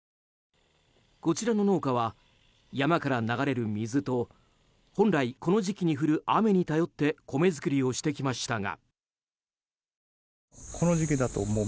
こちらの農家は山から流れる水と本来この時期に降る雨に頼ってコメ作りをしてきましたが。